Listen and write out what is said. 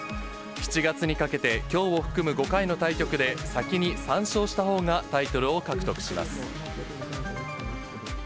７月にかけて、きょうを含む５回の対局で、先に３勝したほうがタイトルを獲得します。